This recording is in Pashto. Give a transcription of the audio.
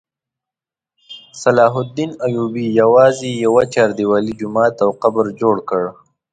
صلاح الدین ایوبي یوازې یوه چاردیوالي، جومات او قبر جوړ کړ.